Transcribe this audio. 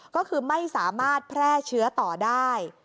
ก็คือไม่สามารถแพร่เชื้อต่อได้